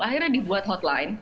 akhirnya dibuat hotline begitu